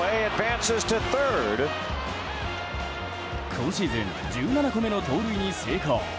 今シーズン１７個目の盗塁に成功。